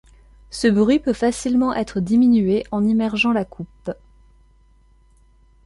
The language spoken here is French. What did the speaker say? Ce bruit peut facilement être diminué en immergeant la coupe.